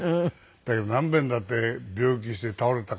だけど何遍だって病気して倒れたか。